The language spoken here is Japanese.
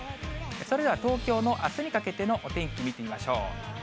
それでは東京のあすにかけてのお天気見てみましょう。